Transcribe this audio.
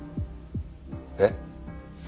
えっ？